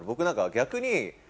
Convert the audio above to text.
逆に。